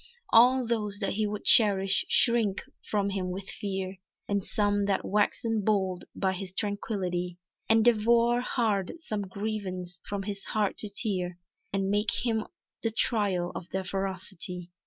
All those that he would cherish shrink from him with fear, And some that waxen bold by his tranquility, Endeavour hard some grievance from his heart to tear, And make on him the trial of their ferocity.